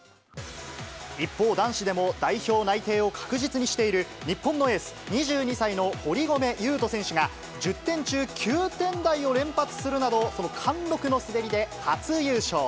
一方、男子でも代表内定を確実にしている、日本のエース、２２歳の堀米雄斗選手が、１０点中９点台を連発するなど、その貫禄の滑りで初優勝。